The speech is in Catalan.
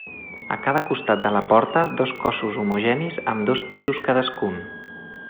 A cada costat de la porta dos cossos homogenis amb dos pisos cadascun.